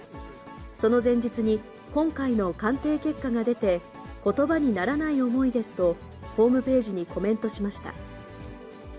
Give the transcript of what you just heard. その前日に今回の鑑定結果が出て、ことばにならない思いですと、ホームページにコメントしました。